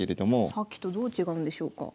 さっきとどう違うんでしょうか？